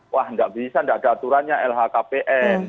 wah nggak bisa tidak ada aturannya lhkpn